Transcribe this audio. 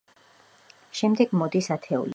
შემდეგ მოდის ათეულები.